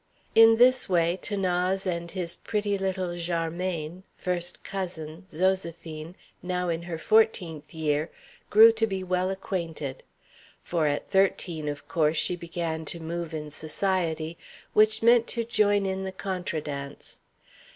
In this way 'Thanase and his pretty little jarmaine first cousin Zoséphine, now in her fourteenth year, grew to be well acquainted. For at thirteen, of course, she began to move in society, which meant to join in the contra dance.